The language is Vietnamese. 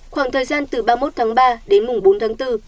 khoảng thời gian từ ba mươi một tháng ba đến mùng bốn tháng bốn